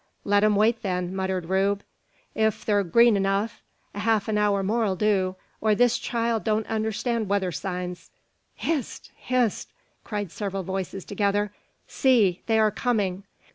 "Let 'em wait, then," muttered Rube, "ef thur green enuf. A half an hour more'll do; or this child don't understan' weather signs." "Hist! hist!" cried several voices together. "See; they are coming!"